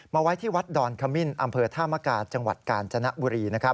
ไว้ที่วัดดอนขมิ้นอำเภอธามกาจังหวัดกาญจนบุรี